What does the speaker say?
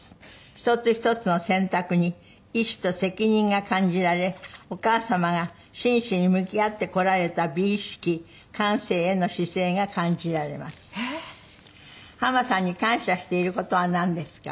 「一つ一つの選択に意志と責任が感じられお母様が真摯に向き合ってこられた美意識感性への姿勢が感じられます」「浜さんに感謝している事はなんですか？」